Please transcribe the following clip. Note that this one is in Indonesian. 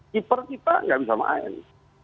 keeper kita nggak bisa main